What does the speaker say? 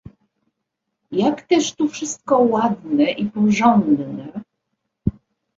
"jak też tu wszystko ładne i porządne!"